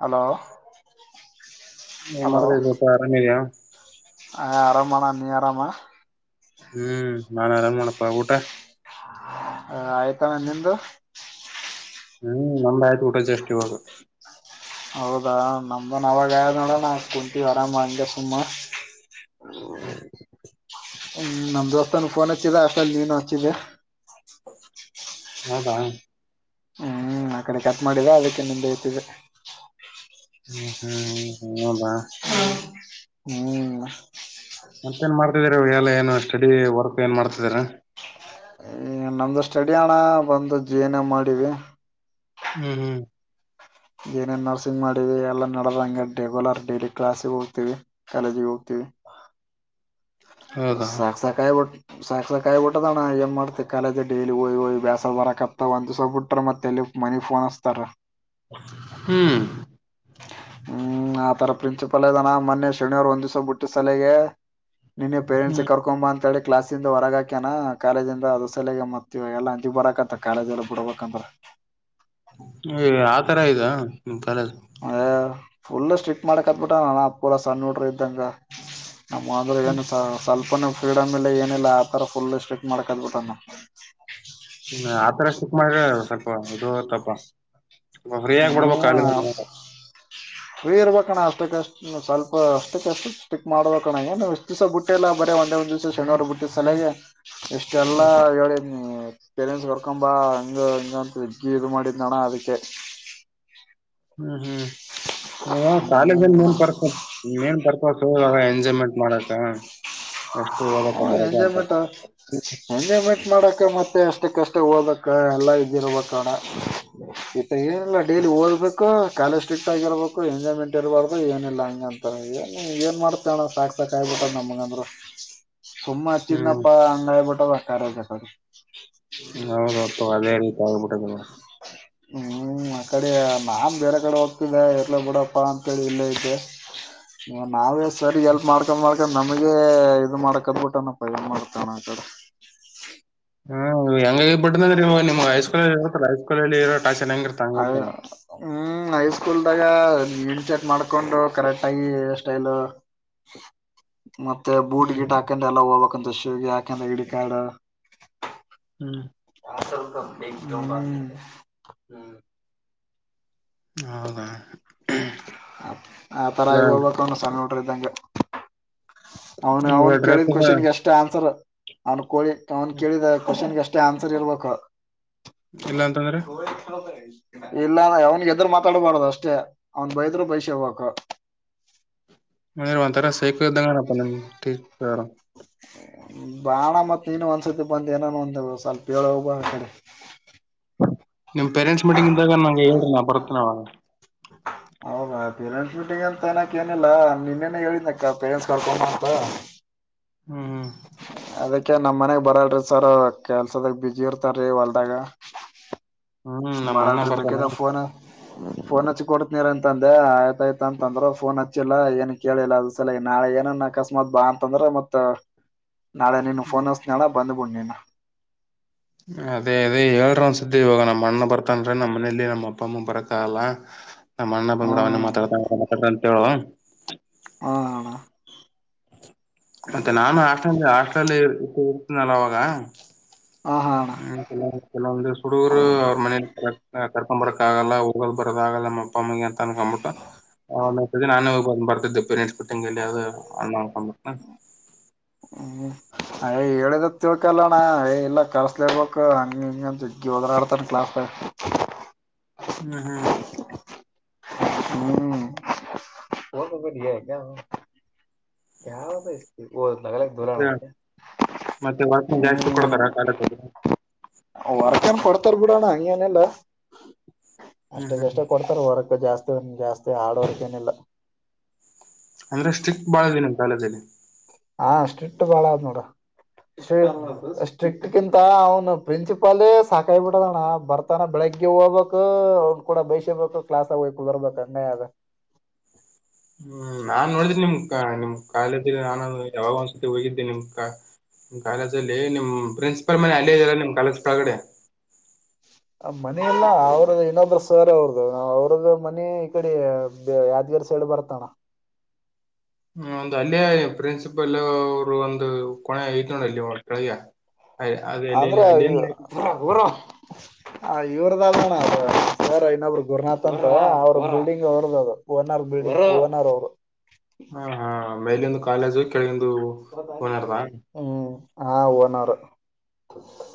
Hello ಏನ್ hello ಮಾಡ್ತಾ ಇದಿಯಪ್ಪ ಆರಾಮಿದ್ಯಾ? ಆ ಆರ ಮಾಡ ನೀ ಆರಾಮಾ ಹ್ಮ್ ನಾನ್ ಆರಾಮ ಮಾಡಪ್ಪ ಊಟ ಹ ಆಯ್ತಮ್ಮ ನಿಂದು ಹ್ಮ್ ನಮ್ದ ಆಯ್ತು ಊಟ ಜಷ್ಟ ಇವಾಗ ಹೌದಾ ನಮ್ದನ್ ಅವಾಗ ಆ ನೋಡಣ ಕುಂತೀವಿ ಆರಾಮ ಹಗೆ ಸುಮ್ಮ ಹ್ಮ ಹ್ಮ್ ನಮ್ಮ ದಸ್ತಾನಫೋನ್ ಆಷ್ಟ ಲನು ಹ್ಮ ಹಾ ಹ್ಮ ಆ ಕಡೆ ಕಟ್ ಮಾಡರಾ ಅದಕ್ಕೆ ನಿತಿದೆ ಹ್ಮ್ ಹ್ಮ್ ಹ್ಮ ಹದಾ ಹ್ಮ್ ಮತ್ತ ನ್ ಮಾಡ್ತಿದಿದ್ದಾರೆ ಎಲ್ಲ ಏನು ಸ್ಟಡಿ ವರ್ಕ್ ಏನ್ ಮಾಡ್ತಿದಾರ ನಮ್ದು ಸ್ಟಡಿ ಅಣ್ಣ ಬಂದು ಜಿ ನ ಮಾಡೀಿವಿ ಹ್ಮ್ ಹ್ಮ್ ಏನೇನ್ ನರ್ಸಿಂಗ್ ಮಾಡಿವವಿ ಎಲ್ಲಾ ನಡದಂಗ ಡೆಗ್ಯುಲರ್ ಡೈಲಿ ಕ್ಲಾಸಿಗೆ ಹೋಗ್ತಿೀವಿ ಕಾಲೇಜಿಗೆ ಹೋಗ್ತೀವಿ [inaudible] ಹೌದಾ ಸಾಕ್ಸ ಕಾಯ ವಟ ಸಾಕ್ಷಸ ಕಾಯಿಬ ಬಿಟ್ಟದಣ ಏ ಮಾಡ್ತೆ ಕಾಲಜ ಡೈಲಿ ಓಯ್ ಹಯ್್ಯಾಸ ಬರ ಕಪ್ತಾ ಒಂದ್ವಸ ಬಿಟ್ರ ಮತ್ತೆ ಎ ಮನಿಗ್ ಫೋನ್ [unintelligible] ಹ್ಮ್ ಹ್ಮ್ ಆತರ ಪ್ರಿನ್ಸಿಪಲ್ ಇದಾನ ಮೊನ್ನೆ ಶನಿವಾರ್ ಒಂದ್ ದಿಸ್ ಬಿಟ್ಟು ಸಲಗೆ. [unintelligible] ಪೇರೆಂಟ್ಸ್ಸ ಹ್ಮ್ ಕರ್ಕೋಂಬಾ ಅಂತೇಳಿ. ಕ್ಲಾಸಿಂದ ಹೊರಗಾಕ್ಯನಾ ಕಾಲೇಜಿಂದ ಅದು ಸಲಗೆ ಮತ್ತ ಎಲ್ಲ [unintelligible] ಬರಕಂತ ಕಾಲೇಜ ಎಲ್ಲ ಬಿಡ್ಬೇಕಂದ್ರ. ಈ ಆತರ ಇದಾ ನಿಮ್ ಕಾಲೇಜ್. ಏ ಫುಲ್ ಸ್ಟ್ರಿಕ್ ಮಾಡಕ್ ಹತ್ಬಿಟ್ಟ ನಾನ [unintelligible] ಸಣ್ಣ ಹುಡುಗರ ಇದ್ದಂಗ ನಮ್ಮ ಅಂದ್ರ ಹ್ಮ್ [unintelligible] ಸ್ವಲ್ ಸ್ವಲ್ಪನಾ ಫ್ರೀಡಮ್ ಇಲ್ಲಾ ಏನಿಲ್ಲ ಆ ತರ ಫುಲ್ ಸ್ಟಿಕ್ ಮಾಡ್ಕದ್ಬಿಟ್ಟನ್ನ. ಅದು [unintelligible] ಫ್ರೀಯಂಗ ಬಿಡ್ಬೇಕ ಹ್ಮ್ [unintelligible] ಫ್ರೀ ಇರ್ಬೇಕ ಅಣ್ಣ ಅಷ್ಟಕ್ಕಷ್ಟು ಸ್ವಲ್ಪ ಅಷ್ಟಕ್ಕಷ್ಟು [unintelligible] ಮಾಡ್ಬೇಕ ಅಣ್ಣ ಏನು ಎಷ್ಟು ದಿಸ ಬುಟ್ಟೆ ಇಲ್ಲಾ. [unintelligible] ಒಂದೇ ಒಂದ್ ದಿವ್ಸ ಶನಿವರು ಬಿುಟ್ಟಿದ್ ಸಲಗೆ ಇಷ್ಟ ಎಲ್ಲಾ ಹ್ಮ್ ಹೇಳಿದ್ನಿ. ಪೇರೆಂಟ್ಸ್ ಕರ್ಕೊಂಡು ಬಾ ಹಂಗ [unintelligible] ಇದು ಮಾಡಿದಣ್ಣ ಅದಕ್ಕೆ. ಹ್ಮ್ ಹ್ಮ್ [unintelligible] ಕಾಲೇಜಲ್ಲಿ ಹ್ಮ್ [unintelligible] [unintelligible] ಎಂಜಾಯ್ಮೆಂಟ್ ಮಾಡಕ ಎಷ್ಟು ಓದಕ ಅವ್ರ್ ಬರಕ ಎಂಜಾಯ್ಮೆಂಟ್ ಅಂತ ಅವರ್ಕ್ ಎಂಜಾಯ್ಮೆಂಟ್ ಮಾಡಕ್ ಮತ್ತೆ ಅಷ್ಟಕ್ಕಷ್ಟೇ ಓದಕ್ಕ ಎಲ್ಲಾ ಇದಿರ್ಬೇಕಣ. ಏನಿಲ್ಲ ಡೈಲಿ ಓದಬೇ [unintelligible] [unintelligible] ಕಾಲೇಜ ಸ್ಟ್ರಿಕ್ಟ್ ಆಗಿರ್ಬೇಕು ಎಂಜಾಯ್ಮೆಂಟ್ ಇರಬಾರ್ದು ಏನಿಲ್ಲ ಹಂಗ ಅಂತಾರೆ ಏನ್ ಮಾಡ್ತೇಣ್ಣ [unintelligible] [unintelligible] ನಮಗ ಅಂದ್ರ. [unintelligible] ಹ್ಮ್ ಹಚ್ಚಿನಪ್ಪ ಅಂಗಾಯಬಿಟ್ಟು [unintelligible] [unintelligible] [unintelligible] ಆ ಕಡೆ ನಾನ ಬೇರೆ ಕಡೆ ಹೋಗ್ತಿದ್ದೆ ಇರಲೀ ಬಿಡಪ್ಪ ಅಂತೇಳಿ ಇಲ್ಲೇ ಇದ್ದೆ. ನಾವೇ ಸರಿ ಎಲ್ಪ್ ಮಾಡ್ಕೊಂಡ್ [unintelligible] ನಮಗೆ ಇದು [unintelligible] ಮಾಡ್ತಾನ ಆ ಕಡೆ ಹ್ಮ ಹೆಂಗ [unintelligible] ಇವು ನಿಮ್ ಹೈಸ್ಕೂಲ್ [unintelligible] ಹೈ ಸ್ಕೂಲ್ ಅಲ್ಲಿ. [unintelligible] ಹ ಹ್ಮ್ ಹೈ ಸ್ಕೂಲ್ದಾಗ ಇನ್ ಶರ್ಟ್ ಮಾಡ್ಕೊಂಡು ಕರೆಕ್ಟ್ ಆಗಿ ಸ್ಟೈಲು. ಮತ್ತೆ ಬೂಟ್ ಹ್ಮ್ ಗೀಟ್ ಹಾಕಂಡ ಎಲ್ಲಾ ಹೋಗ್ಬೇಕ್ಂತ [unintelligible] ಯಾಕಂದ ಐಡಿ ಕಾರ್ಡ್. ಹ್ಮ್ [unintelligible] ಹೌದಾ ಆ ತರ ಇಲ್ಲ ಆಗ [unintelligible] ಸಣ್ಣ ಹುಡುಗರ ಇದ್ದಂಗೆ ಅವನು ಈಗ ಅವ್ನ್ ಡ್ರೆಸ್ ಕೇಳಿದ್ ಕೋಶನ್ ಗೆ ಅಷ್ಟೇ ಆನ್ಸರ್ ಅವ್ನು [unintelligible] ಅವನ್ ಕೇಳಿದ ಕ್ವಶನ್ಗೆ [unintelligible] ಆನ್ಸರ್ ಇರಬೇಕು. ಇಲ್ಲ ಅಂತಂದ್ರೆ ಇಲ್ಲ ಅವ್ನ್ ಎದರು ಮಾತಾಡ್ಬಾರದು ಅಷ್ಟೇ ಅವ್ನ್ ಬೈದ್ರು ಬೈಸ್ಕೆ ಬೇಕು. [unintelligible] ಸೈಕೋ ಇದಾಗ ನಿಮ್ [unintelligible] ಬಾಣ ಮತ್ ನೀನು ಒಂದ್ಸರ್ತಿ ಬಂದ ಏನಾನ ಒಂದ ಸ್ವಲ್ಪ ಹೇಳ್ [unintelligible] ಆಕಡೆ ನಿಮ್ ಪೇರೆಂಟ್ಸ್ ಮೀಟಿಂಗ್ ಇದ್ದಾಗ ನಂಗೆ ಹೇಳರೀ ನಾ ಬರ್ತನಿ [unintelligible] ಹ ಪೇರೆಂಟ್ಸ್ ಮೀಟಿಂಗ್ ಅಂತ ಅನಕ್ ಏನಿಲ್ಲ ನಿನ್ನೇನೆ ಹೇಳಿದ್ನಕ್ಕ ಪೇರೆಂಟ್ಸ್ ಕಳ್ಕೊಂಡ ಅಂತ. ಹ್ಮ್ ಅದಕ್ಕೆ ನಮ್ ಮನಗ್ ಬರಲ್ರಿ ಸರ್ ಕೆಲ್ಸದ ಬ್ಯುಸಿ ಇರ್ತಾರಿ ಹೊಲ್ದಾಗ. ಹ್ಮ್ ನಮ್ಮ ಅಣ್ಣ ಬರಲ್ರಿ ಬರ್ತಾನೆ ಬೇಕದ ಫೋನ್ ಫೋನ್ ಹಚ್ಚಿ ಕೊಡ್ತನಿರು ಅಂತಂದೆ ಅಯ್ತೇತಯ್ತ್ ಅಂತಂದ್ರು ಫೋನ್ ಹಚ್ಚಿಲ್ಲಾ ಏನ್ ಕೇಳಿಲ್ಲ [unintelligible] ನಾಳೆ ಏನನ್ ಅಕಸ್ಮಾತ್ ಬಾ ಅಂತಂದ್ರ ಮತ್. ನಾಳೆ ನೀನು ಫೋನ್ [unintelligible] ಬಂದ್ಬಿಡು [unintelligible] ಅದೇ ಅದೇ ಹೇಳ್ರ ಒಂದಸ್ದಿ ಇವಾಗ ನಮ್ಮ್ ಅಣ್ಣ ಬರ್ತನ್ರೀ ನಮ್ಮ್ ಮನೇಲಿ ನಮ್ಮ ಅಪ್ಪ ಅಮ್ಮ ಬರಕ್ಕಾಗಲ್ಲ ನಮ್ಮ ಮಣ್ಣ ಬಂದು [unintelligible] ಹ್ಮ್ ಮಾತಡ್ತ [unintelligible] ಅಂತ ಹೇಳು ಹ [unintelligible] ಅಣ್ಣ ಮತ್ತೆ ನಾನು ಹಾಸ್ಟೆಲ್ ಹಾಸ್ಟೆಲ್ಲಿ ಇ [unintelligible] ಇರ್ತೀನಲ್ಲ ಅವಾಗ ಹಾ ಹಾ ಅಣ್ಣ ಹ್ಮ [unintelligible] ಕೆಲವೊಂದು ಹುಡುಗರು ಅವ್ರ ಮನೇಲ ಕರ್ಕೊಂಡ್ ಬರಕ್ ಆಗಲ್ಲ ಹೋಗಲ್ ಬರೋದ ಆಗಲ್ಲ ನಮ್ಮ ಅಪ್ಪ ಅಮ್ಮಗೆ ಅಂತ ಅನ್ಕೊಂಡ್ಬಿಟ್ಟು ನಾನು ಬರ ಬರತ್ದಪ್ಪ ನಷ್ಟಪಟ್ಟೆಂಗಲ್ಲಿ ಅದು ಅಣ್ಣ ಹ್ಮ್ ಅಯ ಹೇಳಿದತ್ ತಿಳ್ಕಲ್ಲಣ್ಣ ಯ ಇಲ್ಲ ಕಳ್ಸಲಿ ಇರ್ಬೇಕು ಹಂಗ ಹಿಂಗಂತ ಜಿ ಹೋದ್ರಾ ಆಡ್ತಾನ ಕ್ಲಾಸ್ ಹ [inaudible] [unintelligible] ಹ್ಮ್ ಹ್ಮ್ ಹ್ಮ್ ಬಿಯ ಕ ಯದು ಮತ್ತೆ ಮತ್ತೆ ವಾತ್ನ ಜಾಸ್ತಿ ಕೊಡ್ತಾರ ಆ ಕಾಲಕ್ಕೆ ವರ್ಕ ಏನ್ ಕೊಡ್ತಾರ ಬಿಡೋಣ್ಣ ಹಂಗನಲ್ಲ ಅಷ್ಟ ಹ್ಮ್ ಹ್ಮ್ ಜಷ್ಟೇ ಕೊಡ್ತಾರ ವರ್ಕ್ ಜಾಸ್ತಿ ಒ ಜಾಸ್ತಿ ಹಾರ್ಡ್ ವರ್ಕ್ ಏನಿಲ್ಲ ಅಂದ್ರೆ ಸ್ಟ್ರಿಕ್ ಬಾಳ ದಿನ ಕಾಲೇಜು ಅಲ್ಲಿ ಹಾ ಸಿಟ್ ಬಾಳ ಆದ್ ನೋಡು ಹ್ಮ್ ಇದಕಿಂತ ಅವ್ನು ಪ್ರಿನ್ಸಿಪಾಲ ಸಾಕಾಯ್ ಬಿಡದಣ್ಣ ಬರ್ತಾನ ಬೆಳಗ್ಗೆ ಹೋಗ್ಕ್ ಅವ್ನ್ ಕೂಡ ಬೈಸಬೇಕು ಕ್ಲಾಸ್ಗ ಹೋಗಕ್ ಕುುದುರ್ಬೇಕು ಅಂಗಯ್ಯಾಗ [inaudible] [unintelligible] ಹ್ಮ್ ನಾನ್ ನೋಡಿದನಿ ನಿಮ್ ಕ ನಿಮ್ ಕಾಲ ನಾನ ಯಾವಾಗ ಒಂದ್ಸತಿ ಹೋಗಿದ್ದೆ ನಿಮ್ ಕಾಲೇಜ ಅಲ್ಲಿ ನಿಮ್ ಪ್ರಿನ್ಸಿಪಾಲ್ ಮನೆ ಅಲ್ಲೇ ಇದಲ್ಲ ನಿಮ್ ಕಾಲೇಜ್ ಕಗಡೆ ಮನಲ್ಲ ಅವ್ರದ ಏನಾದ್ರ ಸರ್ ಅವ್ರದ್ದ ಅವ್ರದ್ದ ಮನೆ ಈ ಕಡೆ ಯ ಸೈಡ್ ಬರತ ಹ ಒಂದು ಅಲ್ಲೇ ಪ್ರಿನ್ಸಿಪಲ್ ಅವರು ಒಂದು ಕೊನೆ ಐತ್ ನೋಡ ಅಲ್ಲಿ ಅವ ಕೆಳಗ ಅ ಅದ ಅಲ್ಲಿ ಅಂದ್ರ ಅಲ್ಲಿ [inaudible] [unintelligible] ಹ ಇವ್ರದದಣ ಅ ಸಾರ ಇನ್ನೊಬ್್ರ ಗುರುನಾಥ್ ಅಂತ ಅವ್ರ ಬಿಲ್ಡಿಂಗ್ ಅವ್ರದ ಅದು ಓನ್ ಶಿವನ ಅವರು ಹಾ ಹಾ ಮೇಲ ಒಂದು ಕಾಲೇಜು ಕೆಳಗ ಹ್ಮ್ ಹಾ ಒನ್ ಅವರ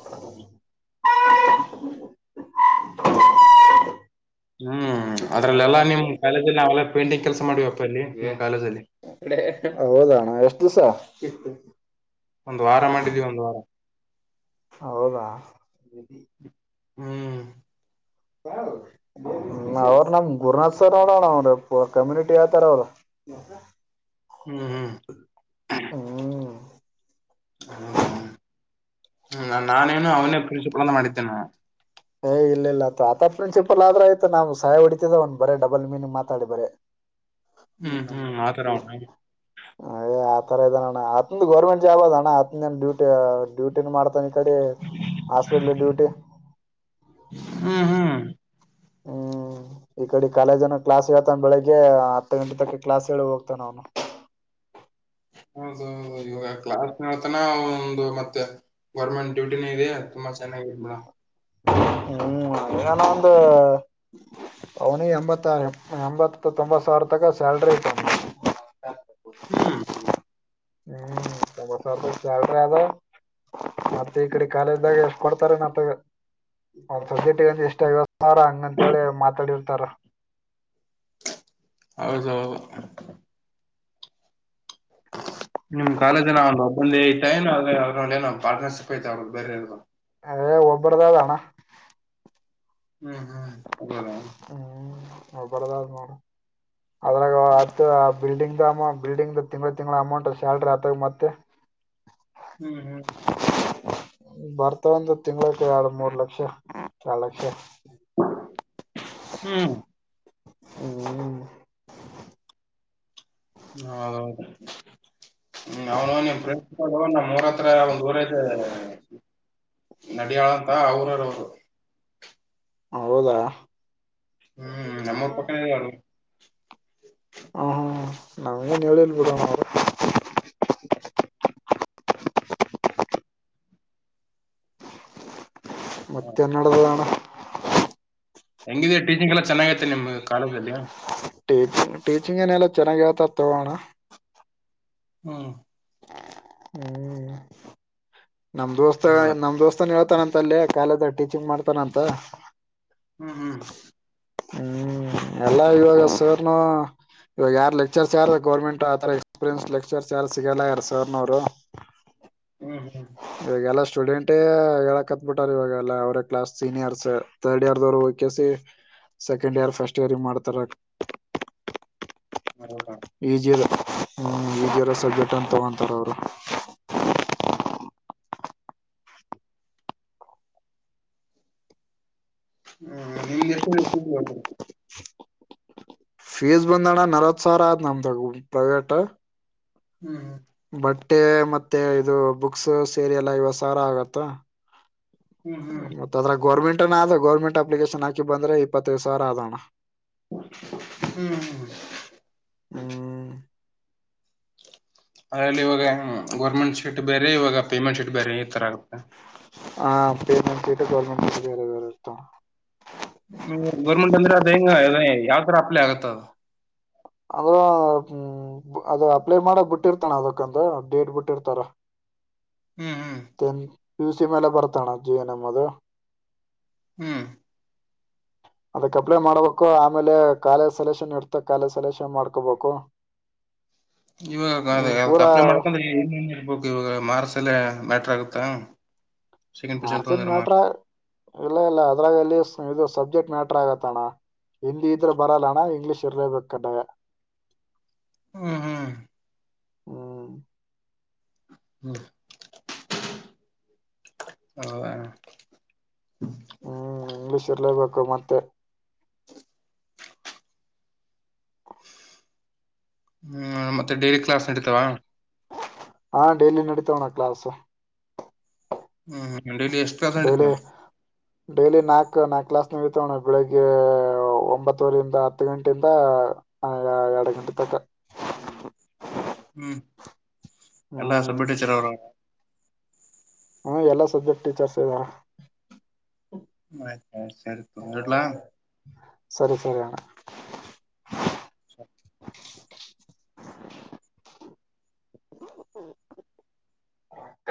[inaudible] [unintelligible] [inaudible] [unintelligible] ಹ್ಮ್ ಅದ್ರಲ್ಲೆಲ್ಲಾ ನಿಮ್ ಕಾಲೇಜಲ್ಲಿ ನಾವೆಲ್ಲ ಪೇಂಟಿಂಗ್ ಕೆಲಸ ಮಾಡ್ಪ್ಪ ಇಲ್ಲಿ ನಿಮ್ ಕಾಲೇಜಲ್ಲಿ ಹೌದಣ ಎಷ್ಟ ದಿವಸ ಒಂದ್ ವಾರ ಮಾಡಿದೀವಿ ಒಂದ್ ವಾರ ಹೌದಾ ಹ್ಮ್ ಅವ್ರ ನಮ ಗುರುನಾಥ್ವರನೋಡ ಆಣ ಅವ ಕಮ್ಯೂನಿಟಿ ಯ ತರದ ಹ್ಮ್ ಹ್ಮ್ ಹ್ಮ್ ಹೌದಾ ಹ್ಮ ನಾನೇನು ಅವನೇ ಪ್ರಿನ್ಸಿಪಲ್ ಅಂತ ಮಾಡಿದ್ದೇನ ಏ್ ಇಲ್ಲ ಇಲ್ಲ ಅ ಆತ ಪ್ರಿನ್ಸಿಪಲ್ ಆದ್ರ ಆಯ್ತಾ ನಾ್ ಸಹಾಯ ಹೊಡಿತದ ಒಂದ ಬರೀ ಡಬಲ್ ಮೀನಿಂಗ್ ಮಾತಾಡಿ ಬರೀ ನಿ ಹ್ಮ್ ಹ್ಮ್ ಆತರ ಅವನ ಅ ತರ ಇದಣ್ಣ ಅತ್ನ ಗರ್ಮೆಟ್ ಜಾಬ್ ಅದ ಅಣ ಅತ್ ಡೂಟಿ ಡ್ಯೂಟಿ ಮಾಡ್ತಾನ ಕಡೆ ಹಾಸ್ಪಿಟಲ್ ಡ್ಯೂಟಿ ಹ್ಮ ಹ್ಮ್ ಹ್ಮ ಹ್ಮ್ ಈ ಕಡೆ ಕಾಲೇಜನ ಕ್ಲಾಸ್ ಹೇಳ್ತಾನ ಬೆಳಿಗ್ಗೆ ಹತ್ತು ಗಂಟೆ ತ ಕ್ಲಾಸ್ ಹೇಳಿ ಹೋಗ್ತಾನ ಅವನು ಹೌದೌ ಹೌದು ಯೋಗಾ ಕ್ಲಾಸ್ ತನ ಒಂದು ಮತ್ತೆ ಗೌರ್ಮೆಂಟ್ ಡ್ಯೂಟಿನ ಇದೆ ತುಂಬಾ ಚೆನ್ನಗಿದನ ಹ್ಮ್ಾನ ಒಂದು ಅವನಿಗೆ ಎಂಬತ್ತ ಎಂಬತ್ತು ತೊಂಬತ್ತು ಸಾವಿರ ತಕ ಸ್ಯಾಲ್ರಿ ಐತ ಹ್ಮ್ ಹ ಹ್ಮ್ ಬ ಚ ಕದ ಮತ್ತೆ ಈ ಕಡೆ ಕಾಲೇಜ್ದಾಗ ಎಷ್ಟ ಕೊಡ್ತಾರ ನತ್ತಾಗ ಸಟಂತ ಇಷ್ಟ ಇವ ಸಾರ ಹಂಗಂತೇಳಿ ಮಾತಾಡಿರ್ತಾರ ಹೌದುೌದು ನಿಮ್ ಕಾಲೇಜನ ಅವನ್ ಒಬ್ಬಂದೆ ಇತ್ತು ಏನ ಪಾರ್ನರ್ ಶಿಪ್ ಐತಾವ ಅವರು ಬೇರೆ ಹೆ ಒಬ್ಬರದೇ ಅದು ಹಣ ಹ್ಮ್ ಹ್ಮ್ ಅಬದ ಒಬ್ರದೆ ನೋಡು ನೋಡ ಅದ್ರಾಗ ಹತ್ತು [inaudible] ಬಿಲ್ಡಿಂಗ್ ದ ಅಮೌ ಬಿಲ್ಡಿಂಗ್ ದ ತಿಂಗಳ ತಿಂಗಳ ಅಮೌಂಟ್ ಸ್ಯಾಲ್ರಿ ಆತಾಗ ಮತ್ತೆ ಹ್ಮ್ ಹ್ಮ್ ಬರ್ತ ಒಂದು ತಿಂಗ್ಳಕ್ ಎರಡು ಮೂರ್ ಲಕ್ಷ ಎಳ್ ಲಕ್ಷ ಹ್ಮ್ ಹ್ಮ್ ಹೌದೌದು ಹ್ಮ ಅವನು ಫ್ರೆಂಡ್ ಮೂರ ಹತ್ರ ಒಂದ್ ಊರ್ ಅಯ್ತೆ ನಡಿಯಾಳಂತ ಅವರರ ಅವರು ಹೌದಾ ಹ್ಮ್ ನಮ್ಮ ಪಕ್ಕನಳ ಹ ಹ ನಮ್ ೇನ್ ಹೇಳಲ್ಬಡರು ಹ. ಮತ್ತೆನ್ನಡದಣ ಹೆಂಗಿದ ಟೀಚಿಂಗ್ ಎಲ್ಲಾ ಚೆನ್ನಾಗೈತೆ ನಿಮ್ಗೆ ಕಾಲೇಜ್ಲ್ಲಿ ಟ್ ಟೀಚಿಂಗ್ ನ ಎಲ್ಲ ಚನಾಗೆರ್ತಾಡ್ ಅತ್ಣ ಹ್ಮ ಹ್ಮ್ ನಮ ದೋಸ್ತ ಹೌದಾ ನಮ ದೋಸ್ತಾನ ಹೇಳ ತಾನಂತ ಅಲ್ಲೇ ಕಾಲೇಜ್ ಟೀಚಿಂಗ್ ಮಾಡ್ತಾನಂತ ಹ್ಮ್ ಹ್ಮ್ ಹ್ಮ್ ಎಲ್ಲಾ ಇವಾಗ ಸರ್ನು ಇವಾಗ ಯಾರು ಲೆಕ್ಚರ್ ಚಾರ್ ಗೌರ್ಮೆಂಟ್ ಆರ ಎಕ್ಸ್ಪೀರಿಯನ್ಸ್ ಲೆಕ್ಚರ್ ಚಾರ್ ಸಿಗಲ್ಲ ಯಾರ ಸಾರ್ನವರು ಹ್ಮ್ ಹ್ಮ್ ಸ್ಟೂಡೆಂಟೇ ಹೇಳಕ್ತ್ ಬಿಿಟಾರ್ ಇವಾಗಲ್ಲಾ ಅವ್ರ ಕ್ಲಾಸ್ ಸೀನಿಯರ್ಸ್ ತಥರ್ಡ್ ಇಯರ್ ದವ್ರು ಹಕಸ ಸೆಕೆಂಡ್ ಇಯರ್ ಫಸ್ಟ್ ಇಯರ್ ಈ ಮಾಡ್ತಾರ ಹೌದಾ ಈಜಿರ ಹ ಈಜಿ ಇರೋ ಸಬ್ಜೆಕ್ಟ್ ಅಂತ ತಗೊಂತಾರೆ ಅವರು ಹ್ಮ ನಿಮ್್ದ ಎಷ್ಟ ಸಿ ಫೀಸ್ ಬಂದಣ್ಣ ನಲ್ವತ್ ಸಾವರ ಆದ್ ನಮ್ದಾಗ ಪಪ್ರೈವೇಟ್ ಹ್ಮ್ ಹ್ಮ ಬಟ್ಟೆ ಮತ್ತೆ ಇದು ಬುಕ್ಸ್ ಸೇರಿ ಎಲ್ಲ ಐವತ್ತೂ ಸಾರಾ ಆಗತ್ತಾ ಹ್ಮ್ ಹ್ಮ್ ಮತ್ತತ್ದ್ರ ಗೌರ್ಮೆಂಟ್ನ ಅ ಗೌರ್ಮೆಂಟ್ ಅಪ್ಲಿಕೇಶನ್ ಹಾಕಿ ಬಂದ್ರೆ ಇಪ್ಪತ್ತೈದು ಸಾವಿರ ಆದದೋಣ್ಣ ಹ್ಮ್ ಹ್ಮ್್ಮ ಅದ್ರಲ್ಲಿ ಇವಾಗ ಗೌರ್ಮೆಂಟ್ ಶೀಟ್ ಬೇರೆ ಇವಾಗ ಪೇಮೆಂಟ್ ಶೀಟ್ ಬೇರೆ ಈ ತರ ಆಗುತ್ತೆ ಹಾ ಪೇಮೆಂಟ್ ಸೈಟ್ ಗೋವರ್ನಮೆಂಟ್ ಸಿಟ್ ಬೇರೆ ಬೇರೆ ಇರ್ತಾವ ್ಮ ಗೌರ್ಮೆಂಟ್ ಅಂದ್ರೆ ಅದ ಹೆಂಗ ಯಾವ ತರ ಅಪ್ಲೈ ಆಗತ್ತ ಅದು ಅದ್ರ ಹ್ಮ ಅದ ಅಪ್ಲೈ ಮಾಡಕ್ ಬಿಟ್ಟಿರ್ತಾನ ಅದಕ್ಕಂತ ಡೇಟ್ ಬಿಟ್ಟಿರ್ತಾರ ಹ್ಮ್ ಹ್ಮ್ ಪ್ಯುಸಿ ಮಲೆ ಪರತಣ ಜಿನಮ್ಮದ ಹ್ಮ್ ಅದಕ್ ಅಪ್ಲೈ ಮಾಡ್ಬೇಕು ಆಮೇಲೆ ಕಾಲಜ ಸೆಲೆಕ್ಷನ್ ಇಡ್ತ ಕಾಲಿ ಸೆಲೆಕ್ಷನ್ ಮಾಡ್ಕೋಬೇಕು [inaudible] ಇವಾಗ ಅದ ನೀನ್ ಪೂರಾ ಅಪ್ಲೈ ಮಾಡ್ಕಂದ್ರೆ ಏನ್ ನ್ ಇರ್ಬೇಕು ಇವಾಗ ಮಾರ್ಸ್ ಲ್ಲ ಮ್ಯಾಟ್ರ ಆಗುತ್ತಾ ಸೆಕೆಂಡ್ ಪೊಸಿಷನ್ ಮಾರ್ಸನ್ ತಗೊಂಡ್ರ ಮೀಟ್ರ ಮಾರ್ಕ್ಸ್ ಇಲ್ಲ ಇಲ್ಲ ಅದ್ರಾಗ ಎಲ್ಲಿ ಇದು ಸಬ್ಜೆಕ್ಟ್ ಮ್ಯಾಟ್ರ ಆಗತ್ಅಣ ಹಿಂದಿ ಇದ್ರೆ ಬರಲ್ಲ ಅಣ್ಣ ಇಂಗ್ಲೀಷ್ ಇರ್ಲೇಬೇಕ ಕಡ್ಡಾಯ. ಹೂ ಹೂ. ಹ್ಮ. ಹ್ಮ ಹ. [unintelligible] ಹ್ಮ್ ಇಂಗ್ಲಿಷ್ ಇರ್ಲೇಬೇಕು ಮತ್ತೆ. ಹ್ಮ್ ಮತ್ತೆ ಡೈಲಿ ಕ್ಲಾಸ್ ನಡತಾವ. ಹಾ ಡೈಲಿ ನಡೀತಾವಣ್ಣ ಕ್ಲಾಸ್. ಹ್ಮ್ [inaudible] ಎಷ್ಟು ಕ್ಲಾಸ್ ಡೈಲಿ ನಡೆಯುತ್ತವೆ. ಡೈಲಿ ನಾಕಕ್ ನಾಲ್ಕಕ್ ಕ್ಲಾಸ್ ನಡತವಣ್ಣ ಬೆಳಿಗ್ಗೆ. ಒಂಬತ್ತೂರಿಂದ ಹತ್ತು ಗಂಟೆಯಿಂದ ಎರಡು ಗಂಟೆ ತಕ. ಹ್ಮ್ ಎಲ್ಲಾ ಹ್ಮ್ ಸಬ್ಬ. [unintelligible] ಹ್ಮ ಎಲ್ಲಾ ಸಬ್ಜೆಕ್ಟ್ ಟೀಚರ್ಸ್ ಇದ್ದಾರ. [unintelligible] ಇಡ್ಲ. ಸರಿ ಸರಿಯಣ. ಸರಿ.